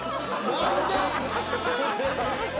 何で？